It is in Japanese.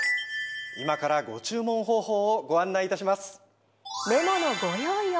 今からご注文方法をご案内いたします。